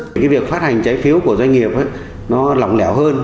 thì cái việc phát hành trái phiếu của doanh nghiệp nó lỏng lẻo hơn